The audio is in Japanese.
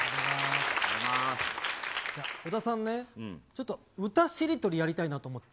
小田さんね、ちょっと歌しりとりやりたいなと思って。